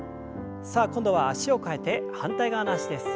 さあ今度は脚を替えて反対側の脚です。